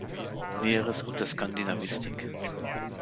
Näheres unter Skandinavistik